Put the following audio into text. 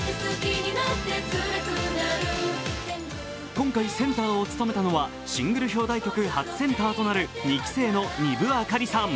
今回、センターを務めたのはシングル表題曲初センターとなる二期生の丹生明里さん。